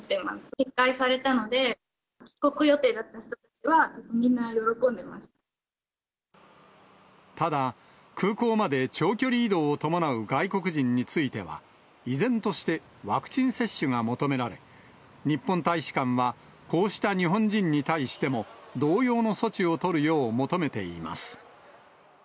撤回されたので、帰国予定だったただ、空港まで長距離移動を伴う外国人については、依然としてワクチン接種が求められ、日本大使館は、こうした日本人に対しても、同様の措置を取るよう求めています。